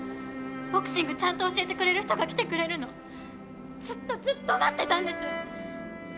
ボクシングちゃんと教えてくれる人が来てくれるのずっとずっと待ってたんです！